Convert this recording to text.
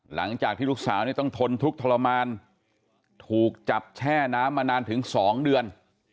หลังจากที่ลูกสาวเนี่ยต้องทนทุกข์ทรมานถูกจับแช่น้ำมานานถึง๒เดือน